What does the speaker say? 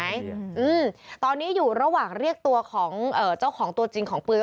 อืมตอนนี้อยู่ระหว่างเรียกตัวของเอ่อเจ้าของตัวจริงของปืน